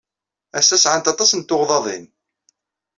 Ass-a, sɛant aṭas n tuɣdaḍin.